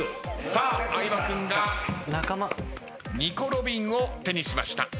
さあ相葉君がニコ・ロビンを手にしました。